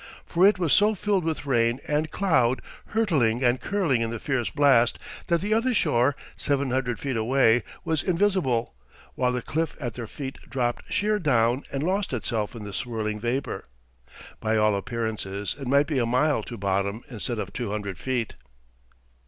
For it was so filled with rain and cloud, hurtling and curling in the fierce blast, that the other shore, seven hundred feet away, was invisible, while the cliff at their feet dropped sheer down and lost itself in the swirling vapor. By all appearances it might be a mile to bottom instead of two hundred feet.